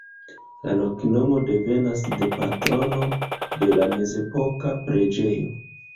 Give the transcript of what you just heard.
La loknomo devenas de patrono de la mezepoka preĝejo.